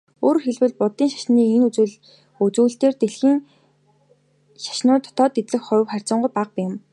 Өөрөөр хэлбэл, буддын шашин энэ үзүүлэлтээрээ дэлхийн шашнууд дотор эзлэх хувь харьцангуй бага юм.